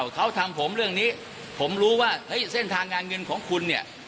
เขาทำผมเรื่องนี้ผมรู้ว่าเฮ้ยเส้นทางงานเงินของคุณเนี่ย